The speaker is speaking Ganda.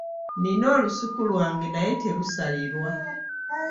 Nina olusuku lwange naye terusalirwa.